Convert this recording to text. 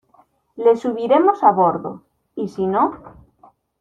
les subiremos a bordo. ¿ y si no?